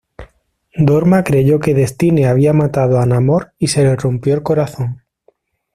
Dorma creyó que Destine había matado a Namor y se le rompió el corazón.